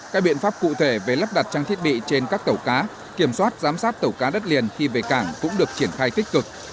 các biện pháp cụ thể về lắp đặt trang thiết bị trên các tàu cá kiểm soát giám sát tàu cá đất liền khi về cảng cũng được triển khai tích cực